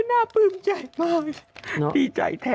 น่าปลื้มใจมากดีใจแท้